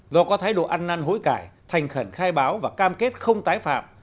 do có thái độ ăn năn hối cải thành khẩn khai báo và cam kết không tái phạm